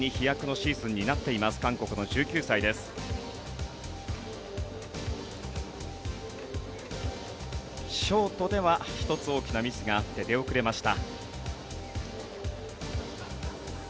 ショートでは１つ大きなミスがあって出遅れました。